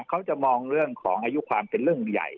เขาจะมองเรื่องของอายุความเป็นเรื่องใหญ่